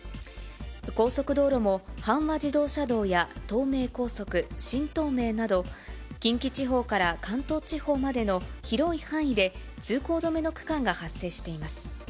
高速道路も阪和自動車道や東名高速、新東名など、近畿地方から関東地方までの広い範囲で通行止めの区間が発生しています。